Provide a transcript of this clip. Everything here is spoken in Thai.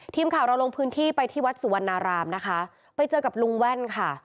ทีมข่าวเราลงพื้นที่ไปที่วัดสุวรรณารามนะคะไปเจอกับลุงแว่นค่ะ